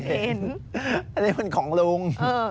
อันนี้มันของลุง